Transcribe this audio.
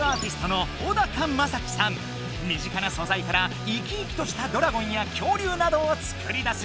身近なそざいから生き生きとしたドラゴンやきょうりゅうなどを作り出す。